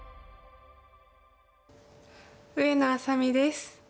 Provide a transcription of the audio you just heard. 上野愛咲美です。